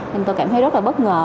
nên tôi cảm thấy rất là bất ngờ